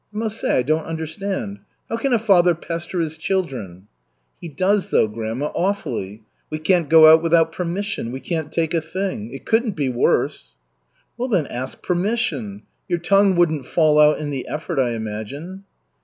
"I must say, I don't understand. How can a father pester his children?" "He does though, grandma, awfully. We can't go out without permission, we can't take a thing. It couldn't be worse." "Well, then, ask permission. Your tongue wouldn't fall out in the effort, I imagine."